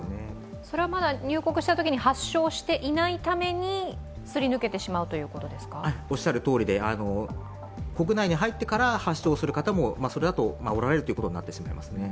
それはまだ入国したときに発症していないためにおっしゃるとおりで、国内に入ってから発症する方も、それだとおられるということになってしまいますね。